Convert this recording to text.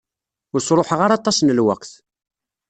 Ur sruḥeɣ ara aṭas n lweqt.